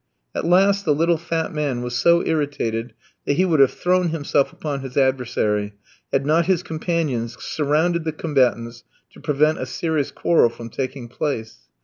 At last the little fat man was so irritated that he would have thrown himself upon his adversary had not his companions surrounded the combatants to prevent a serious quarrel from taking place.